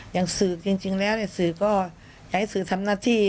อย่างสืบจริงแล้วสื่อก็อยากให้สื่อทำหน้าที่